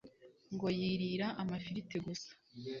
ngo yirira amafiriti gusa